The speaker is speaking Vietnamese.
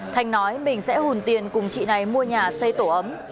thanh nói mình sẽ hùn tiền cùng chị này mua nhà xây tổ ấm